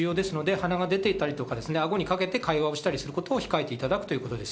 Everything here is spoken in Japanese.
鼻が出ていたり、顎にかけて会話をしたりすることを控えていただくということです。